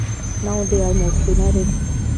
Now they're mostly married.